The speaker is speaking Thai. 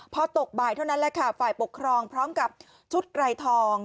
พอตกบ่ายเท่านั้นแหละค่ะฝ่ายปกครองพร้อมกับชุดไกรทอง